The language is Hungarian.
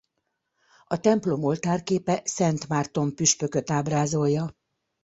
A templom oltárképe Szent Márton püspököt ábrázolja.